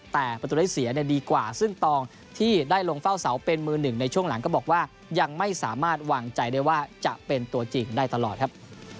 แต่ประตูได้เสียดีกว่าซึ่งตองที่ได้ลงเฝ้าเสาเป็นมือหนึ่งในช่วงหลังก็บอกว่ายังไม่สามารถวางใจได้ว่าจะเป็นตัวจริงได้ตลอดครับ